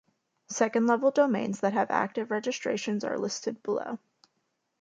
Second-level domains that have active registrations are listed below.